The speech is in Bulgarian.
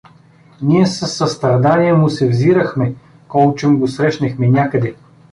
Ние със състрадание му се взирахме, колчем го срещнехме някъде.